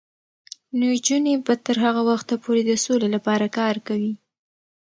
نجونې به تر هغه وخته پورې د سولې لپاره کار کوي.